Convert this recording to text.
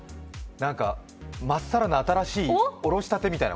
まっさらな新しいおろしたてみたいな？